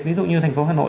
ví dụ như thành phố hà nội